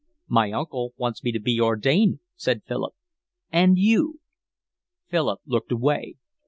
"My uncle wants me to be ordained," said Philip. "And you?" Philip looked away.